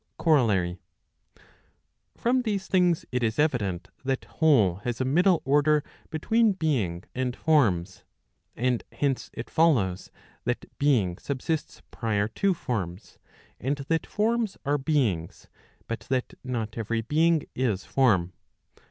COROLLARY. From these things it is evident that whole has a middle order between being and forms. And hence it follows that being subsists prior to forms, and that forms are beings, but that not every being is form.